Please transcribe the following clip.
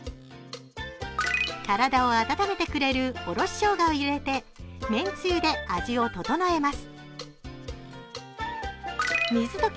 体を温めてくれるおろししょうがを入れて、めんつゆで味を調えます。